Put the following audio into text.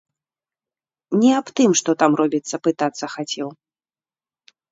Не аб тым, што там робіцца, пытацца хацеў.